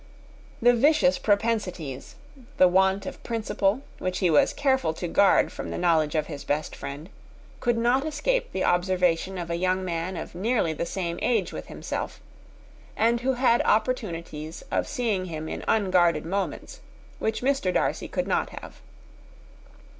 The vicious propensities, the want of principle, which he was careful to guard from the knowledge of his best friend, could not escape the observation of a young man of nearly the same age with himself, and who had opportunities of seeing him in unguarded moments, which Mr. Darcy could not have.